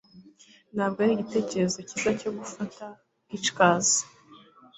Ntabwo ari igitekerezo cyiza cyo gufata hitchikers.